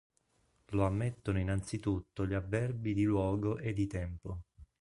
Lo ammettono innanzitutto gli avverbi di luogo e di tempo.